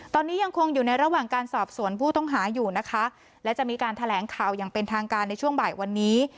ตอนนี้ยังคงอยู่ในระหว่างการสอบสวนผู้ต้องหาอยู่นะคะและจะมีการแถลงข่าวอย่างเป็นทางการในช่วงบ่ายวันนี้